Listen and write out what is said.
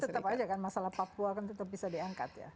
tapi tetap saja kan masalah papua tetap bisa diangkat ya